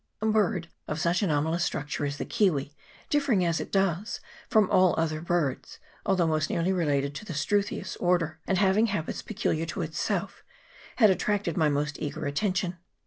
A bird of such anomalous structure as the kiwi, differing, as it does, from all other birds, although most nearly related to the Struthious order, and having habits peculiar to itself, had attracted my most eager attention.